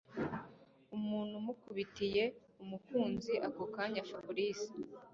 umuntu umukubitiye umukunzi ako kanya Fabric